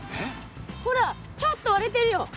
ほらちょっと割れてるよ。